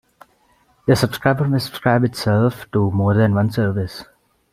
The subscriber may subscribe itself to more than one service.